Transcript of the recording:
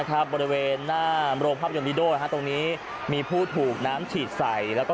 แต่ด้วยแรงดันของน้ำนี่ก็ค่อนข้างแรก